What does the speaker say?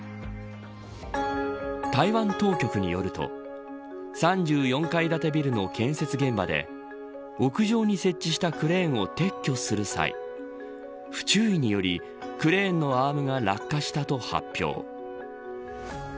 台湾当局によると３４階建てビルの建設現場で屋上に設置したクレーンを撤去する際不注意によりクレーンのアームが落下したと発表。